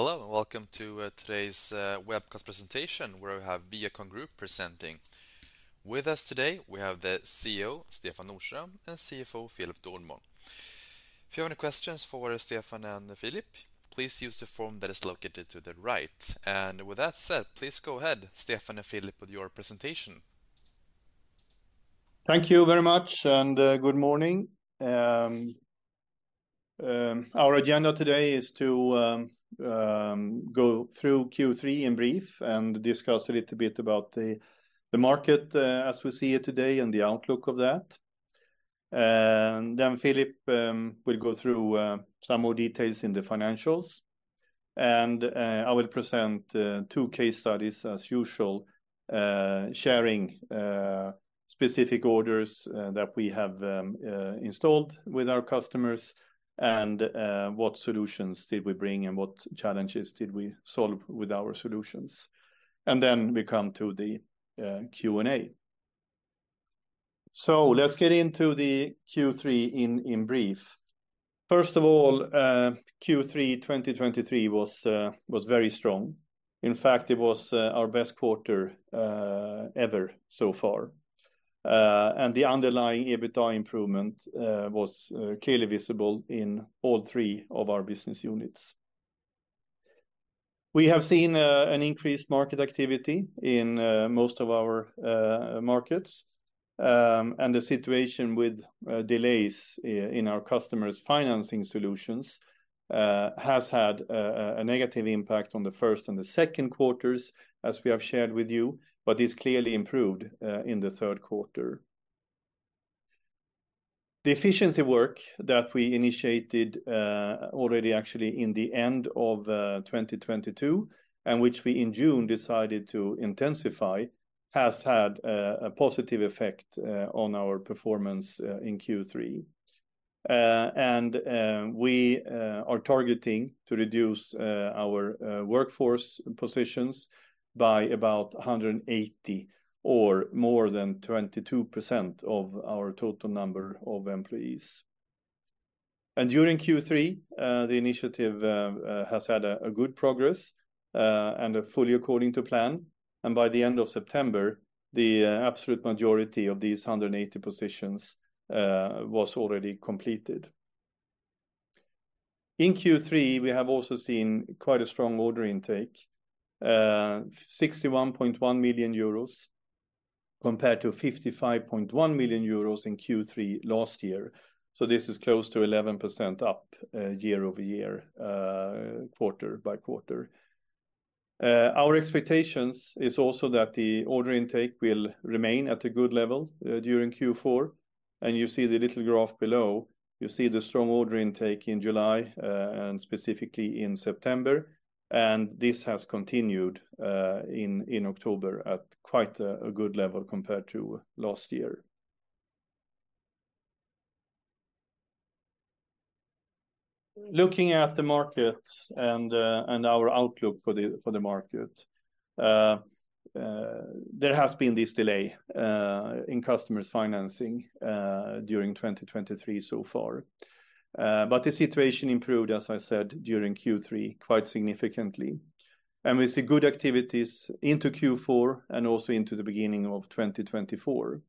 Hello, and welcome to today's webcast presentation, where we have ViaCon Group presenting. With us today, we have the CEO, Stefan Nordström, and CFO, Philip Delborn. If you have any questions for Stefan and Philip, please use the form that is located to the right. And with that said, please go ahead, Stefan and Philip, with your presentation. Thank you very much, and good morning. Our agenda today is to go through Q3 in brief and discuss a little bit about the market as we see it today and the outlook of that. And then Philip will go through some more details in the financials. And I will present two case studies as usual, sharing specific orders that we have installed with our customers and what solutions did we bring and what challenges did we solve with our solutions. And then we come to the Q&A. So let's get into the Q3 in brief. First of all, Q3 2023 was very strong. In fact, it was our best quarter ever so far. The underlying EBITDA improvement was clearly visible in all three of our business units. We have seen an increased market activity in most of our markets, and the situation with delays in our customers' financing solutions has had a negative impact on the first and the second quarters, as we have shared with you, but it's clearly improved in the third quarter. The efficiency work that we initiated already actually in the end of 2022, and which we in June decided to intensify, has had a positive effect on our performance in Q3. We are targeting to reduce our workforce positions by about 180 or more than 22% of our total number of employees. During Q3, the initiative has had a good progress and fully according to plan, and by the end of September, the absolute majority of these 180 positions was already completed. In Q3, we have also seen quite a strong order intake, 61.1 million euros, compared to 55.1 million euros in Q3 last year. So this is close to 11% up, year-over-year, quarter-by-quarter. Our expectations is also that the order intake will remain at a good level during Q4, and you see the little graph below. You see the strong order intake in July and specifically in September, and this has continued in October at quite a good level compared to last year. Looking at the market and our outlook for the market, there has been this delay in customers' financing during 2023 so far. But the situation improved, as I said, during Q3, quite significantly, and we see good activities into Q4 and also into the beginning of 2024.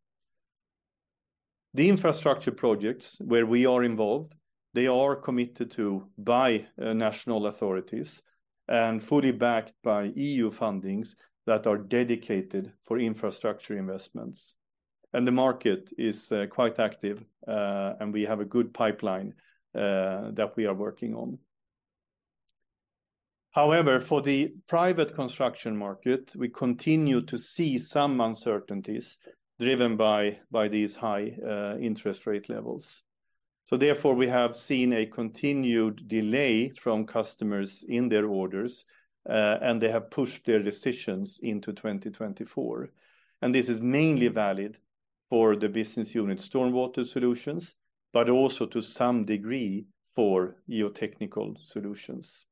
The infrastructure projects where we are involved, they are committed to by national authorities and fully backed by EU fundings that are dedicated for infrastructure investments. The market is quite active, and we have a good pipeline that we are working on. However, for the private construction market, we continue to see some uncertainties driven by these high interest rate levels. So therefore, we have seen a continued delay from customers in their orders, and they have pushed their decisions into 2024. This is mainly valid for the business unit, StormWater Solutions, but also to some degree for GeoTechnical Solutions.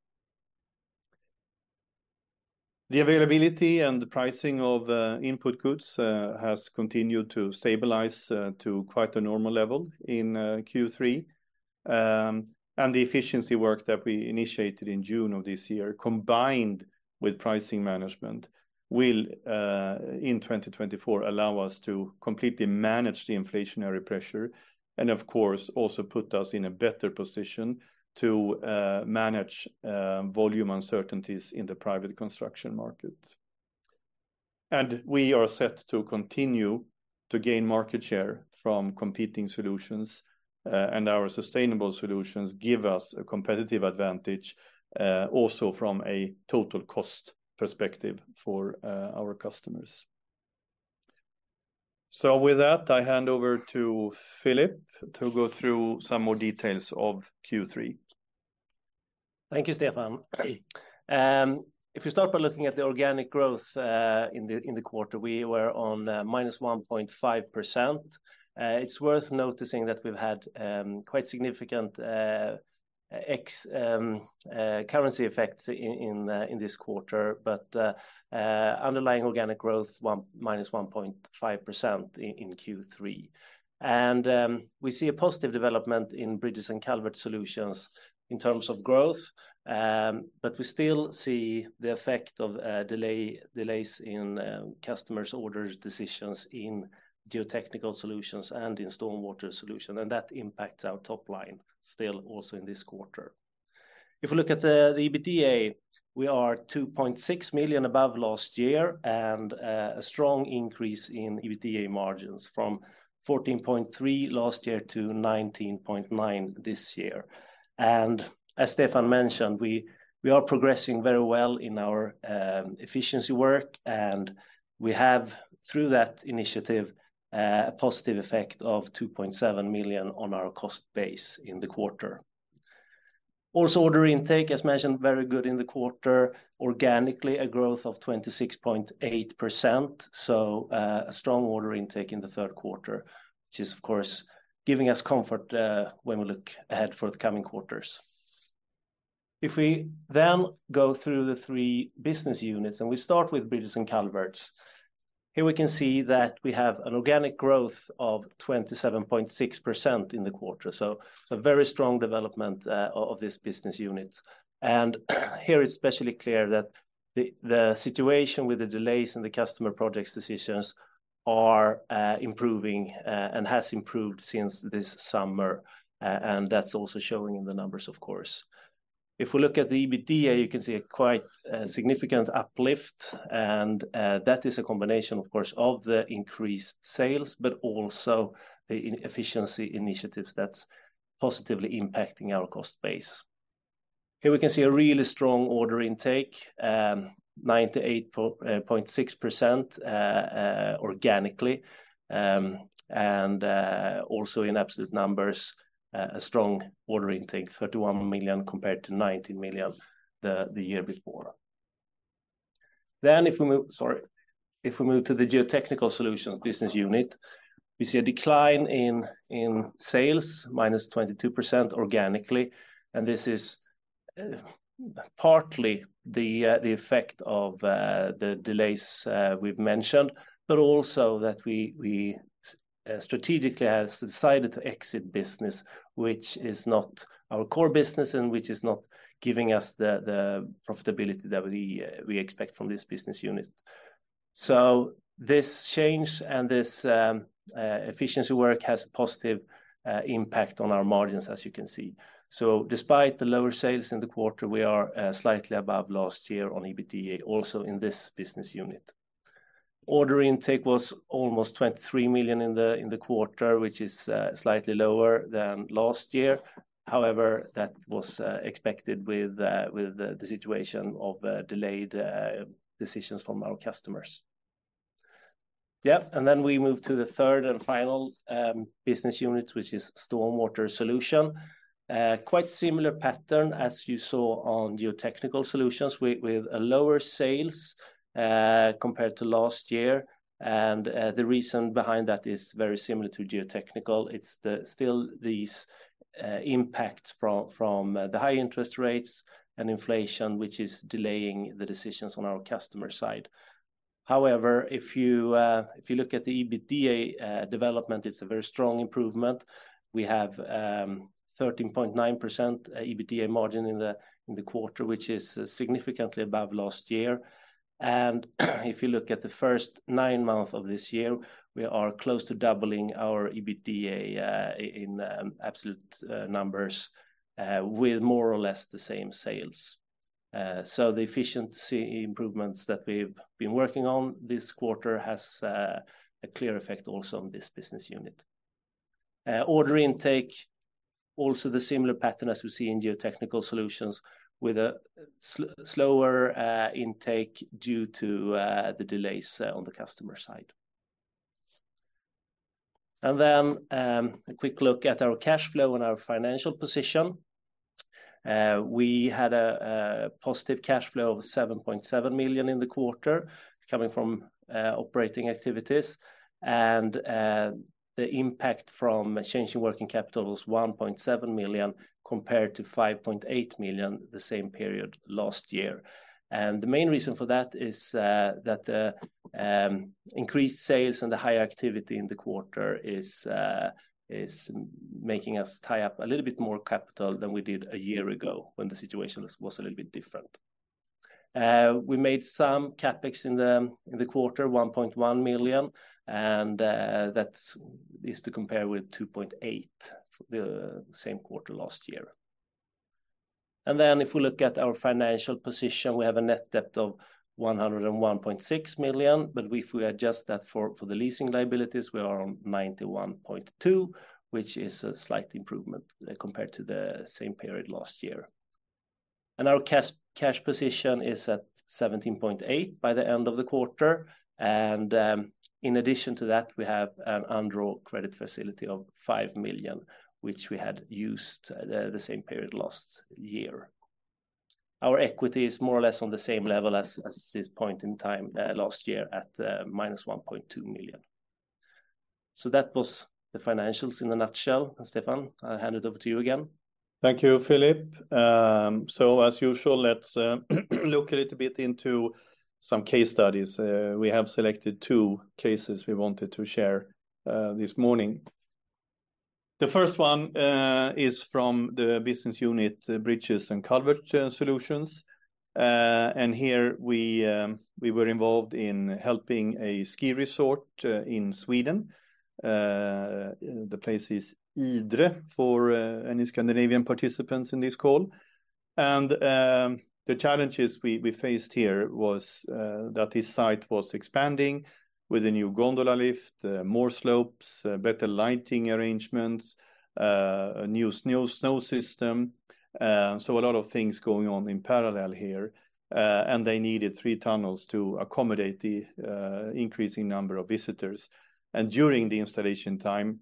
The availability and the pricing of input goods has continued to stabilize to quite a normal level in Q3. The efficiency work that we initiated in June of this year, combined with pricing management, will in 2024 allow us to completely manage the inflationary pressure and, of course, also put us in a better position to manage volume uncertainties in the private construction market. We are set to continue to gain market share from competing solutions and our sustainable solutions give us a competitive advantage also from a total cost perspective for our customers. With that, I hand over to Philip to go through some more details of Q3. Thank you, Stefan. If you start by looking at the organic growth in the quarter, we were on -1.5%. It's worth noticing that we've had quite significant currency effects in this quarter, but underlying organic growth was -1.5% in Q3. We see a positive development in Bridges & Culverts Solutions in terms of growth. But we still see the effect of delays in customers' orders, decisions in GeoTechnical Solutions and in StormWater Solutions, and that impacts our top line still also in this quarter. If we look at the EBITDA, we are 2.6 million above last year and a strong increase in EBITDA margins from 14.3% last year to 19.9% this year. As Stefan mentioned, we, we are progressing very well in our efficiency work, and we have, through that initiative, a positive effect of 2.7 million on our cost base in the quarter. Also, order intake, as mentioned, very good in the quarter. Organically, a growth of 26.8%, so a strong order intake in the third quarter, which is, of course, giving us comfort when we look ahead for the coming quarters. If we then go through the three business units, and we start with Bridges & Culverts, here we can see that we have an organic growth of 27.6% in the quarter, so a very strong development of this business unit. Here, it's especially clear that the situation with the delays in the customer projects decisions are improving and has improved since this summer. And that's also showing in the numbers, of course. If we look at the EBITDA, you can see a quite significant uplift, and that is a combination, of course, of the increased sales, but also the efficiency initiatives that's positively impacting our cost base. Here we can see a really strong order intake, 98.6% organically, and also in absolute numbers, a strong order intake, 31 million compared to 19 million the year before. Then if we move... Sorry, if we move to the GeoTechnical Solutions business unit, we see a decline in sales, -22% organically, and this is partly the effect of the delays we've mentioned, but also that we strategically have decided to exit business, which is not our core business and which is not giving us the profitability that we expect from this business unit. So this change and this efficiency work has a positive impact on our margins, as you can see. So despite the lower sales in the quarter, we are slightly above last year on EBITDA also in this business unit. Order intake was almost 23 million in the quarter, which is slightly lower than last year. However, that was expected with the situation of delayed decisions from our customers. Yep, and then we move to the third and final business unit, which is StormWater Solutions. Quite similar pattern as you saw on GeoTechnical Solutions with a lower sales compared to last year. And the reason behind that is very similar to GeoTechnical Solutions. It's still these impacts from the high interest rates and inflation, which is delaying the decisions on our customer side. However, if you look at the EBITDA development, it's a very strong improvement. We have 13.9% EBITDA margin in the quarter, which is significantly above last year. If you look at the first nine months of this year, we are close to doubling our EBITDA in absolute numbers with more or less the same sales. So the efficiency improvements that we've been working on this quarter has a clear effect also on this business unit. Order intake also the similar pattern as we see in geotechnical solutions, with a slower intake due to the delays on the customer side. And then a quick look at our cash flow and our financial position. We had a positive cash flow of 7.7 million in the quarter, coming from operating activities, and the impact from changing working capital was 1.7 million, compared to 5.8 million the same period last year. The main reason for that is increased sales and the higher activity in the quarter is making us tie up a little bit more capital than we did a year ago when the situation was a little bit different. We made some CapEx in the quarter, 1.1 million, and that's to compare with 2.8 million for the same quarter last year. Then if we look at our financial position, we have a net debt of 101.6 million, but if we adjust that for the leasing liabilities, we are on 91.2 million, which is a slight improvement compared to the same period last year. And our cash position is at 17.8 million by the end of the quarter, and in addition to that, we have an undrawn credit facility of 5 million, which we had used the same period last year. Our equity is more or less on the same level as this point in time last year at minus 1.2 million. So that was the financials in a nutshell. And Stefan, I'll hand it over to you again. Thank you, Philip. So as usual, let's look a little bit into some case studies. We have selected two cases we wanted to share this morning. The first one is from the business unit, Bridges & Culverts Solutions. Here we were involved in helping a ski resort in Sweden. The place is Idre for any Scandinavian participants in this call. The challenges we faced here was that this site was expanding with a new gondola lift, more slopes, better lighting arrangements, a new snow system. So a lot of things going on in parallel here. They needed three tunnels to accommodate the increasing number of visitors. And during the installation time,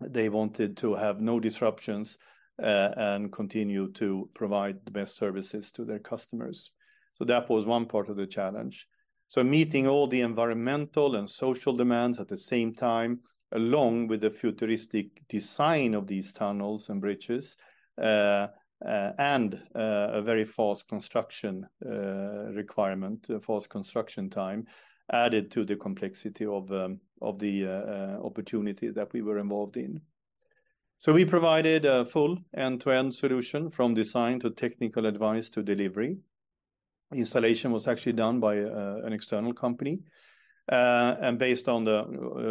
they wanted to have no disruptions and continue to provide the best services to their customers. So that was one part of the challenge. So meeting all the environmental and social demands at the same time, along with the futuristic design of these tunnels and bridges, and a very fast construction requirement, fast construction time, added to the complexity of the opportunity that we were involved in. So we provided a full end-to-end solution, from design to technical advice to delivery. Installation was actually done by an external company, and based on the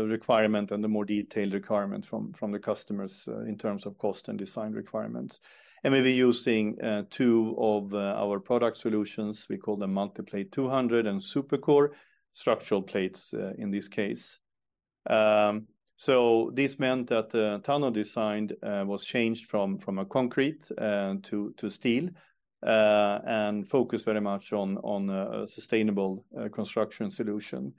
requirement and the more detailed requirement from the customers, in terms of cost and design requirements. And we were using two of our product solutions. We call them MultiPlate 200 and SuperCor structural plates in this case. So this meant that the tunnel design was changed from a concrete to steel and focused very much on sustainable construction solution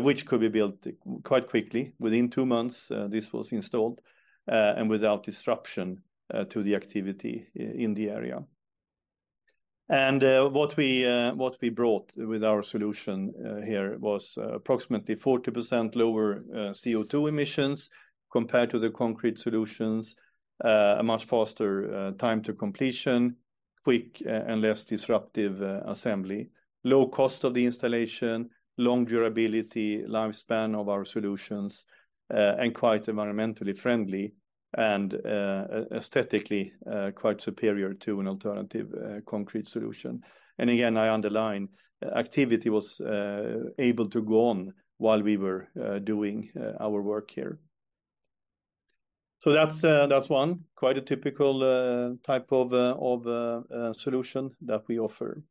which could be built quite quickly. Within two months this was installed and without disruption to the activity in the area. What we brought with our solution here was approximately 40% lower CO2 emissions compared to the concrete solutions, a much faster time to completion, quick and less disruptive assembly, low cost of the installation, long durability, lifespan of our solutions, and quite environmentally friendly, and aesthetically quite superior to an alternative concrete solution. Again, I underline, activity was able to go on while we were doing our work here. So that's one, quite a typical type of solution that we offer.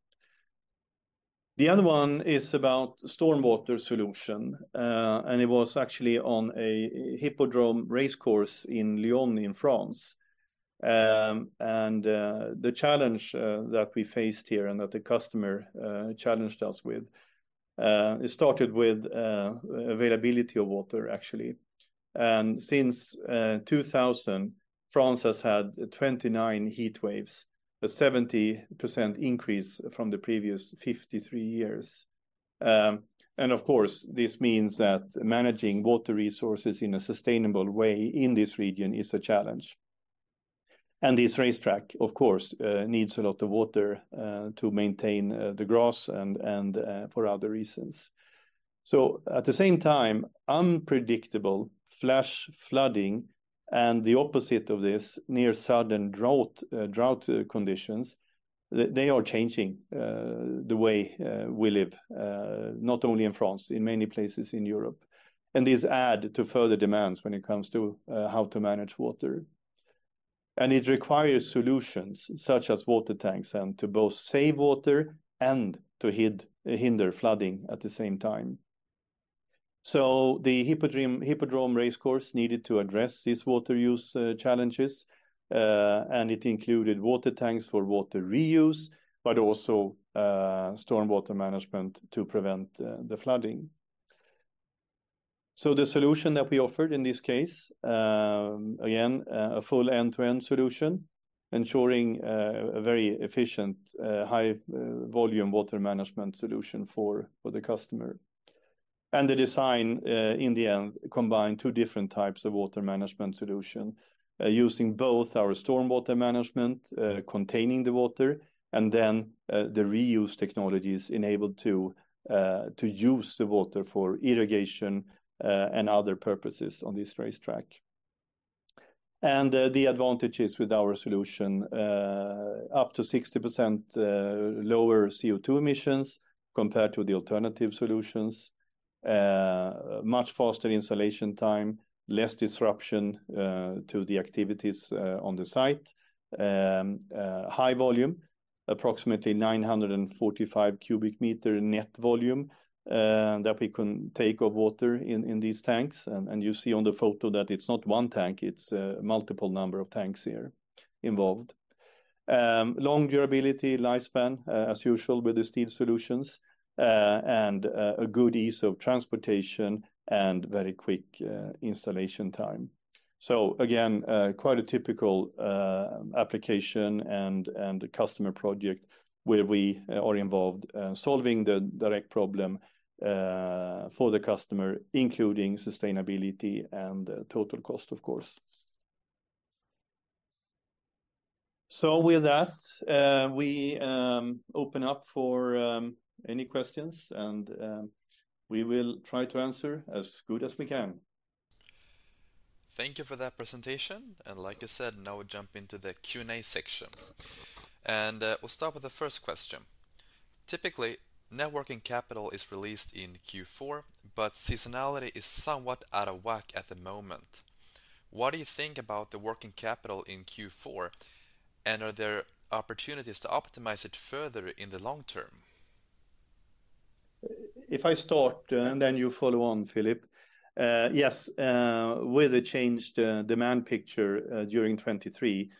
The other one is about StormWater solution. It was actually on a hippodrome racecourse in Lyon, in France. The challenge that we faced here and that the customer challenged us with started with availability of water, actually. Since 2000, France has had 29 heatwaves, a 70% increase from the previous 53 years. Of course, this means that managing water resources in a sustainable way in this region is a challenge. This racetrack, of course, needs a lot of water to maintain the grass and for other reasons. So at the same time, unpredictable flash flooding and the opposite of this, near sudden drought, drought conditions, they are changing the way we live, not only in France, in many places in Europe. And these add to further demands when it comes to how to manage water. And it requires solutions such as water tanks and to both save water and to hinder flooding at the same time. So the hippodrome racecourse needed to address these water use challenges. And it included water tanks for water reuse, but also StormWater management to prevent the flooding. So the solution that we offered in this case, again, a full end-to-end solution, ensuring a very efficient high volume water management solution for the customer. The design, in the end, combined two different types of water management solution, using both our StormWater management, containing the water, and then, the reuse technologies enabled to, to use the water for irrigation, and other purposes on this racetrack. The advantages with our solution, up to 60% lower CO2 emissions compared to the alternative solutions. Much faster installation time, less disruption, to the activities, on the site. High volume, approximately 945 cubic meter net volume, that we can take of water in, in these tanks. And you see on the photo that it's not one tank, it's, multiple number of tanks here involved. Long durability lifespan, as usual with the steel solutions, and a good ease of transportation and very quick installation time. So again, quite a typical application and customer project where we are involved solving the direct problem for the customer, including sustainability and total cost, of course. So with that, we open up for any questions, and we will try to answer as good as we can. Thank you for that presentation. Like I said, now we jump into the Q&A section. We'll start with the first question. Typically, working capital is released in Q4, but seasonality is somewhat out of whack at the moment. What do you think about the working capital in Q4, and are there opportunities to optimize it further in the long term? If I start, and then you follow on, Philip. Yes, with the changed demand picture during 2023,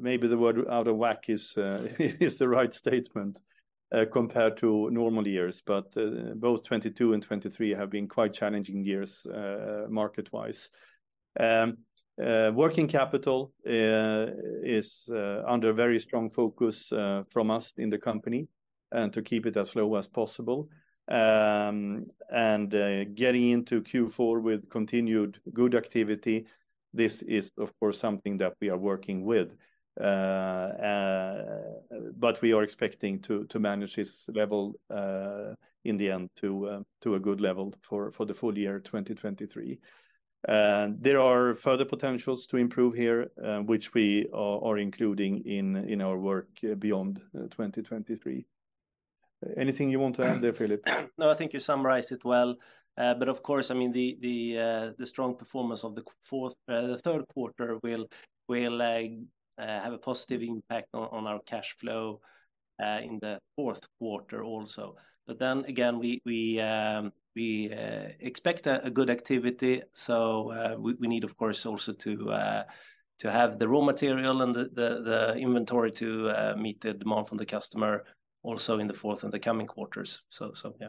maybe the word out of whack is the right statement compared to normal years. But both 2022 and 2023 have been quite challenging years, market-wise. Working capital is under very strong focus from us in the company, and to keep it as low as possible. And getting into Q4 with continued good activity, this is, of course, something that we are working with. But we are expecting to manage this level in the end to a good level for the full year 2023. There are further potentials to improve here, which we are including in our work beyond 2023. Anything you want to add there, Philip? No, I think you summarized it well. But of course, I mean, the strong performance of the third quarter will have a positive impact on our cash flow in the fourth quarter also. But then again, we expect a good activity, so we need, of course, also to have the raw material and the inventory to meet the demand from the customer also in the fourth and the coming quarters. So, yeah.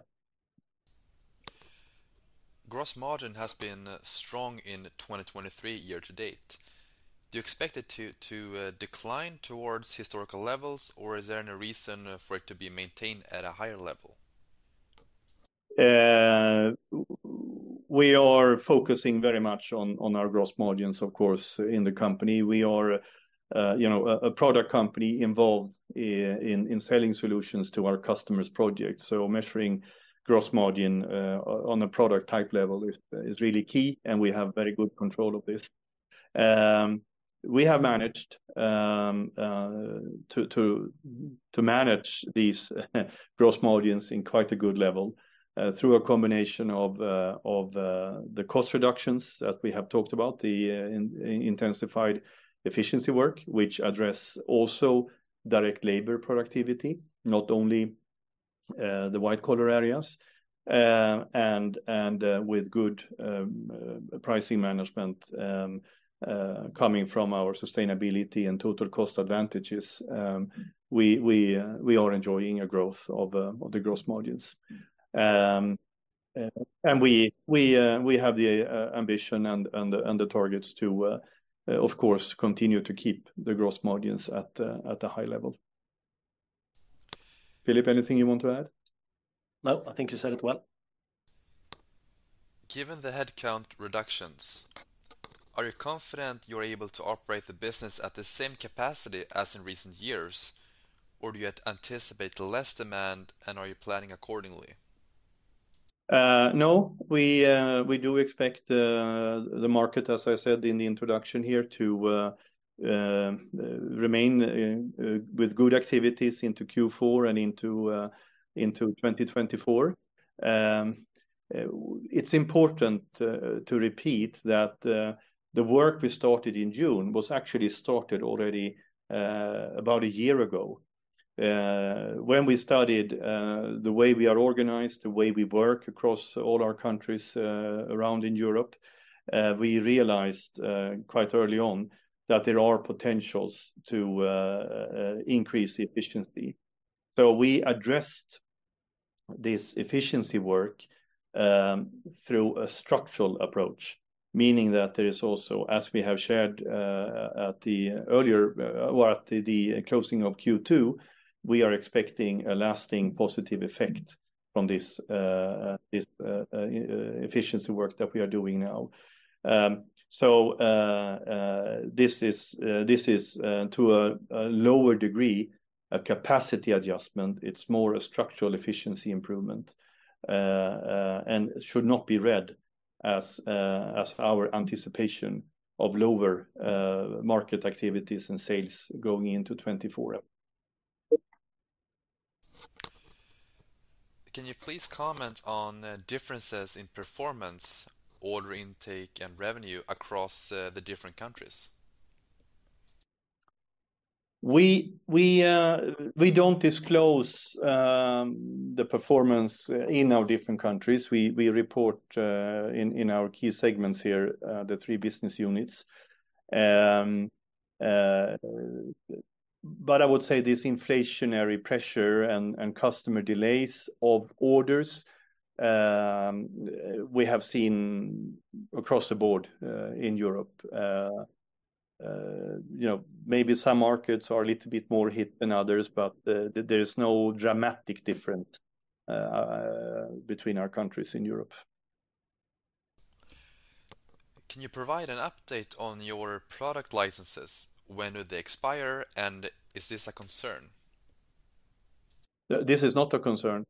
Gross margin has been strong in 2023 year to date. Do you expect it to decline towards historical levels, or is there any reason for it to be maintained at a higher level? We are focusing very much on our gross margins, of course, in the company. We are, you know, a product company involved in selling solutions to our customers' projects. So measuring gross margin on a product type level is really key, and we have very good control of this. We have managed to manage these gross margins in quite a good level through a combination of the cost reductions that we have talked about, the intensified efficiency work, which address also direct labor productivity, not only the white-collar areas. With good pricing management coming from our sustainability and total cost advantages, we are enjoying a growth of the gross margins. We have the ambition and the targets to, of course, continue to keep the gross margins at a high level. Philip, anything you want to add? No, I think you said it well. Given the headcount reductions, are you confident you're able to operate the business at the same capacity as in recent years, or do you anticipate less demand, and are you planning accordingly? No, we do expect the market, as I said in the introduction here, to remain with good activities into Q4 and into 2024. It's important to repeat that the work we started in June was actually started already about a year ago. When we studied the way we are organized, the way we work across all our countries around in Europe, we realized quite early on that there are potentials to increase the efficiency. So we addressed this efficiency work through a structural approach, meaning that there is also, as we have shared at the earlier or at the closing of Q2, we are expecting a lasting positive effect from this efficiency work that we are doing now. So, this is to a lower degree a capacity adjustment. It's more a structural efficiency improvement and should not be read as our anticipation of lower market activities and sales going into 2024. Can you please comment on differences in performance, order intake, and revenue across the different countries? We don't disclose the performance in our different countries. We report in our key segments here, the three business units. But I would say this inflationary pressure and customer delays of orders, we have seen across the board in Europe. You know, maybe some markets are a little bit more hit than others, but there is no dramatic difference between our countries in Europe. Can you provide an update on your product licenses? When would they expire, and is this a concern? This is not a concern.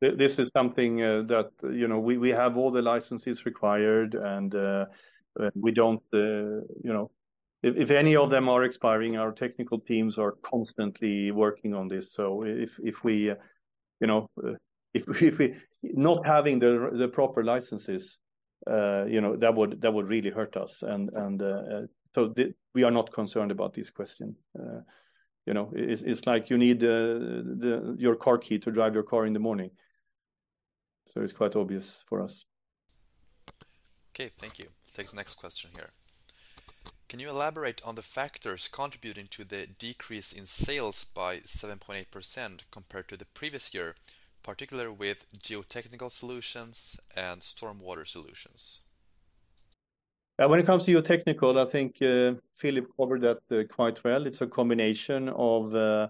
This is something that, you know, we have all the licenses required, and we don't, you know. If any of them are expiring, our technical teams are constantly working on this. So if we, you know, if we not having the proper licenses, you know, that would really hurt us. And so we are not concerned about this question. You know, it's like you need your car key to drive your car in the morning. So it's quite obvious for us. Okay, thank you. Take the next question here. Can you elaborate on the factors contributing to the decrease in sales by 7.8% compared to the previous year, particularly with GeoTechnical Solutions and StormWater Solutions? When it comes to GeoTechnical, I think Philip covered that quite well. It's a combination of the,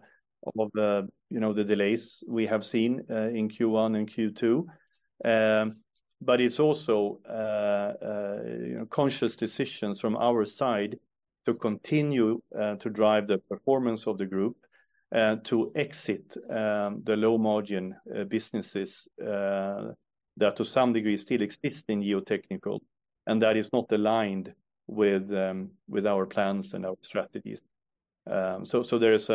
you know, the delays we have seen in Q1 and Q2. But it's also conscious decisions from our side to continue to drive the performance of the group to exit the low-margin businesses that to some degree still exist in Geotechnical, and that is not aligned with our plans and our strategies. So there is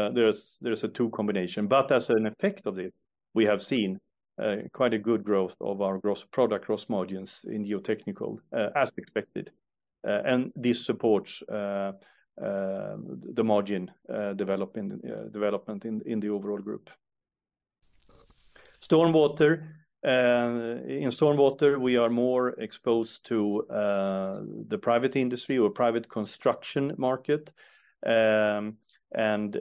a two combination. But as an effect of it, we have seen quite a good growth of our gross product, gross margins in GeoTechnical as expected. And this supports the margin developing development in the overall group. StormWater, in StormWater, we are more exposed to the private industry or private construction market. And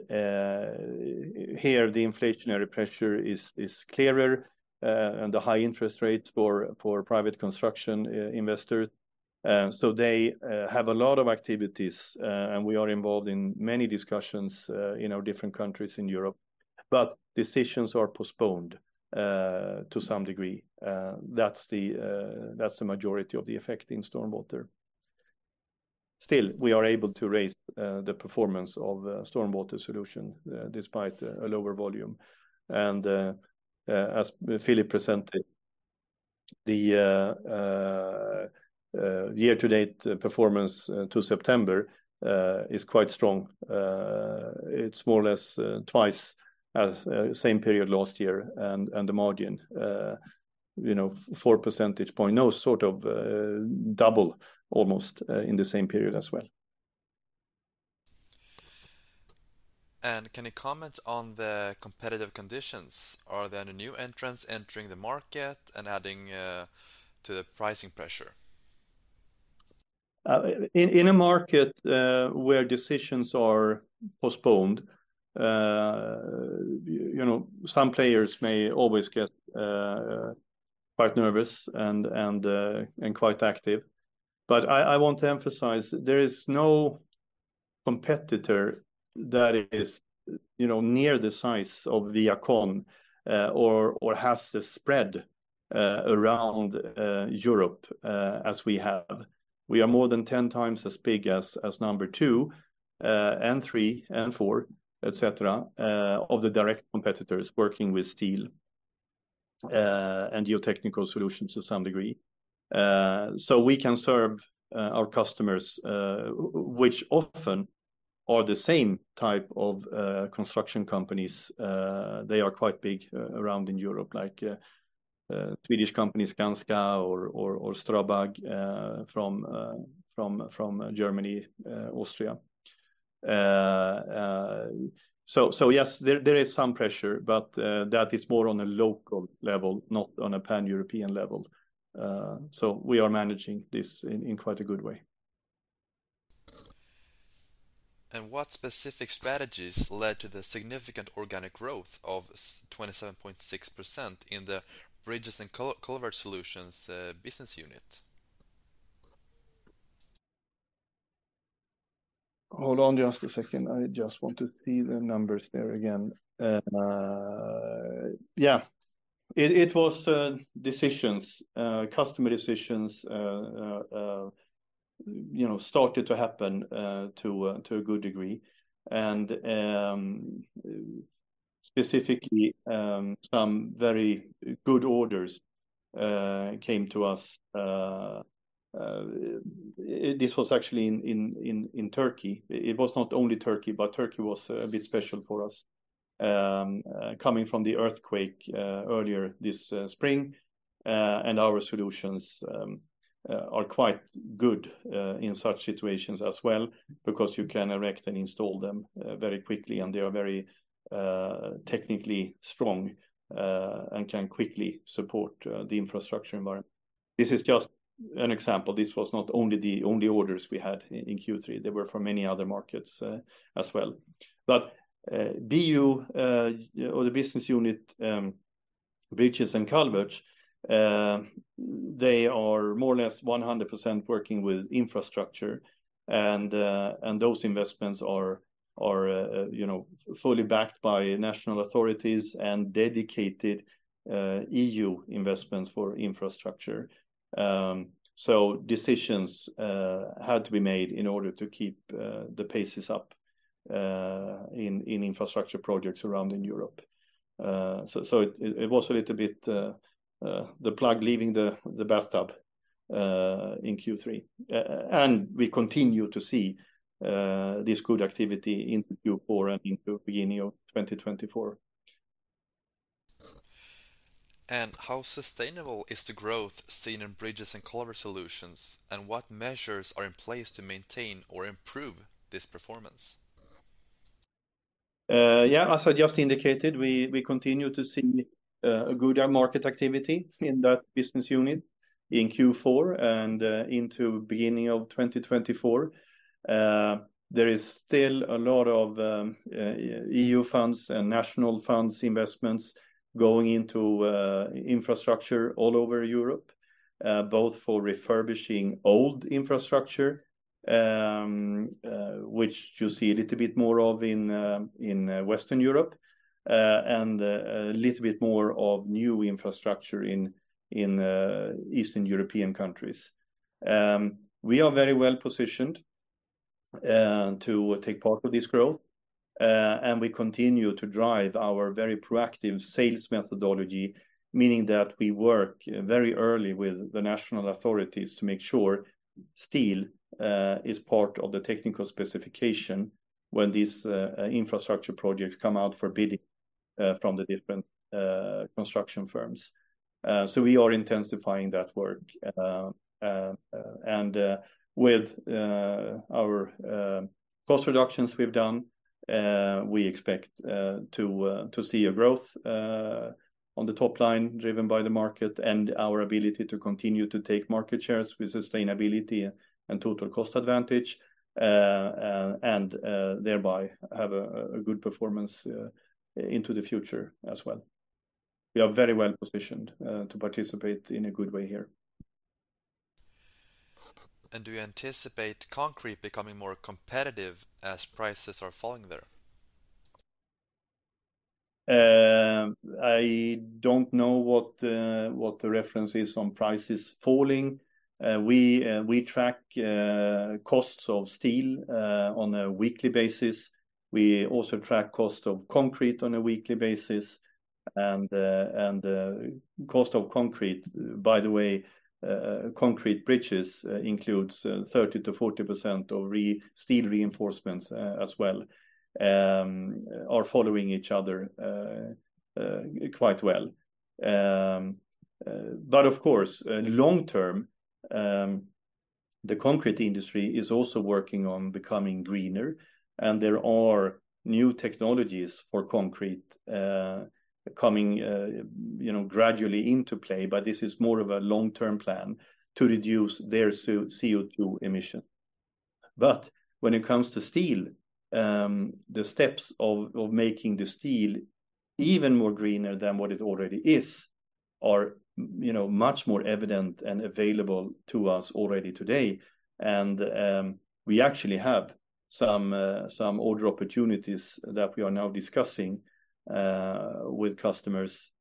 here, the inflationary pressure is clearer, and the high interest rates for private construction investors. So they have a lot of activities, and we are involved in many discussions in our different countries in Europe, but decisions are postponed to some degree. That's the majority of the effect in StormWater. Still, we are able to raise the performance of StormWater solution despite a lower volume. And as Philip presented, the year-to-date performance to September is quite strong. It's more or less twice as same period last year, and the margin, you know, 4 percentage points, now sort of double almost in the same period as well. Can you comment on the competitive conditions? Are there any new entrants entering the market and adding to the pricing pressure? In a market where decisions are postponed, you know, some players may always get quite nervous and quite active. But I want to emphasize, there is no competitor that is, you know, near the size of the ViaCon or has the spread around Europe as we have. We are more than 10x as big as number two and three and four, et cetera, of the direct competitors working with steel and GeoTechnical Solutions to some degree. So we can serve our customers, which often are the same type of construction companies. They are quite big around in Europe, like Swedish company Skanska or STRABAG from Germany, Austria. So yes, there is some pressure, but that is more on a local level, not on a Pan-European level. So we are managing this in quite a good way. What specific strategies led to the significant organic growth of 27.6% in the Bridges & Culverts Solutions business unit? Hold on just a second. I just want to see the numbers there again. Yeah, it was customer decisions, you know, started to happen to a good degree. Specifically, some very good orders came to us. This was actually in Turkey. It was not only Turkey, but Turkey was a bit special for us, coming from the earthquake earlier this spring. And our solutions are quite good in such situations as well, because you can erect and install them very quickly, and they are very technically strong and can quickly support the infrastructure environment. This is just an example. This was not only the only orders we had in Q3, they were from many other markets as well. But BU or the business unit Bridges & Culverts they are more or less 100% working with infrastructure, and those investments are you know fully backed by national authorities and dedicated EU investments for infrastructure. So decisions had to be made in order to keep the paces up in infrastructure projects around in Europe. So it was a little bit the plug leaving the bathtub in Q3. And we continue to see this good activity into Q4 and into beginning of 2024. How sustainable is the growth seen in Bridges & Culverts Solutions, and what measures are in place to maintain or improve this performance? Yeah, as I just indicated, we continue to see a good market activity in that business unit in Q4 and into the beginning of 2024. There is still a lot of EU funds and national funds investments going into infrastructure all over Europe, both for refurbishing old infrastructure, which you see a little bit more of in Western Europe, and a little bit more of new infrastructure in Eastern European countries. We are very well positioned to take part of this growth, and we continue to drive our very proactive sales methodology, meaning that we work very early with the national authorities to make sure steel is part of the technical specification when these infrastructure projects come out for bidding from the different construction firms. So we are intensifying that work. With our cost reductions we've done, we expect to see a growth on the top line driven by the market and our ability to continue to take market shares with sustainability and total cost advantage, and thereby have a good performance into the future as well. We are very well positioned to participate in a good way here. Do you anticipate concrete becoming more competitive as prices are falling there? I don't know what the reference is on prices falling. We track costs of steel on a weekly basis. We also track cost of concrete on a weekly basis, and cost of concrete, by the way, concrete bridges includes 30%-40% of rebar steel reinforcements, as well, are following each other quite well. But of course, long-term, the concrete industry is also working on becoming greener, and there are new technologies for concrete coming, you know, gradually into play, but this is more of a long-term plan to reduce their CO2 emission. But when it comes to steel, the steps of making the steel even more greener than what it already is, are, you know, much more evident and available to us already today. And, we actually have some order opportunities that we are now discussing with customers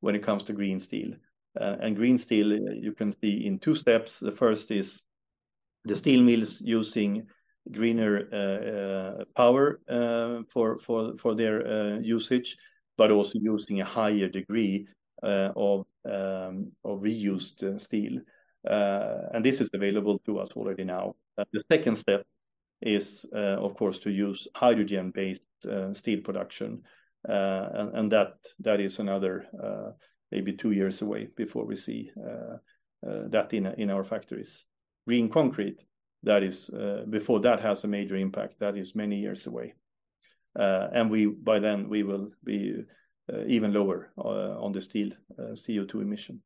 when it comes to green steel. And green steel, you can see in two steps. The first is the steel mills using greener power for their usage, but also using a higher degree of reused steel. And this is available to us already now. The second step is, of course, to use hydrogen-based steel production, and that is another maybe two years away before we see that in our factories. Green concrete, that is, before that has a major impact, that is many years away. And we, by then, we will be, even lower, on the steel, CO2 emission.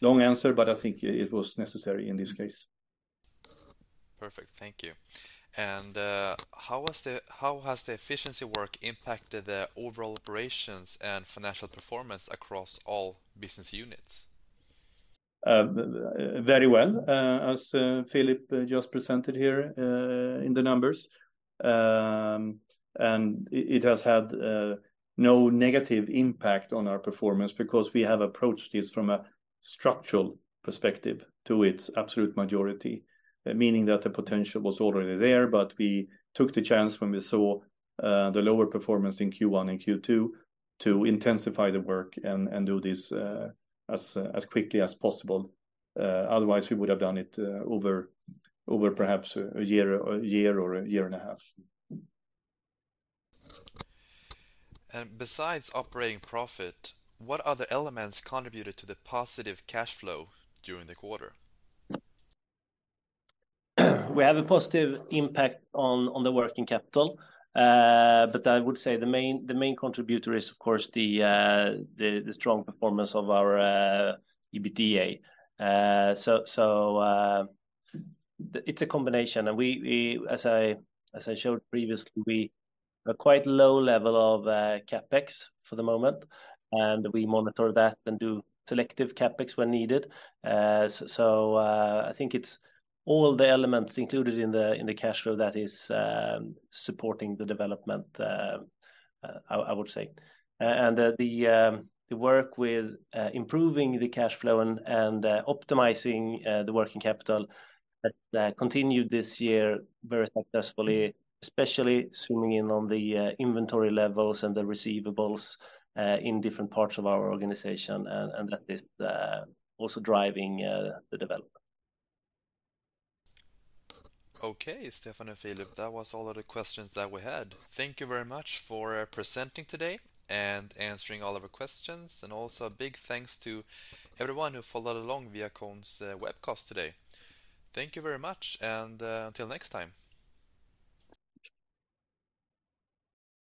Long answer, but I think it was necessary in this case. Perfect. Thank you. How has the efficiency work impacted the overall operations and financial performance across all business units? Very well, as Philip just presented here in the numbers. It has had no negative impact on our performance because we have approached this from a structural perspective to its absolute majority, meaning that the potential was already there, but we took the chance when we saw the lower performance in Q1 and Q2 to intensify the work and do this as quickly as possible. Otherwise, we would have done it over perhaps a year or a year and a half. Besides operating profit, what other elements contributed to the positive cash flow during the quarter? We have a positive impact on the working capital. But I would say the main contributor is, of course, the strong performance of our EBITDA. So it's a combination, and we, as I showed previously, we have a quite low level of CapEx for the moment, and we monitor that and do selective CapEx when needed. So I think it's all the elements included in the cash flow that is supporting the development. I would say. The work with improving the cash flow and optimizing the working capital continued this year very successfully, especially zooming in on the inventory levels and the receivables in different parts of our organization, and that is also driving the development. Okay, Stefan and Philip, that was all of the questions that we had. Thank you very much for presenting today and answering all of our questions. Also a big thanks to everyone who followed along ViaCon's webcast today. Thank you very much, and until next time.